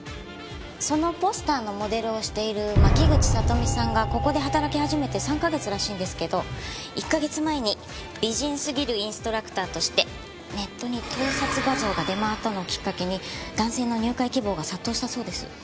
そのポスターのモデルをしている牧口里美さんがここで働き始めて３カ月らしいんですけど１カ月前に美人すぎるインストラクターとしてネットに盗撮画像が出回ったのをきっかけに男性の入会希望が殺到したそうです。